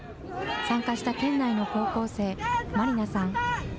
参加した県内の高校生、マリナさん。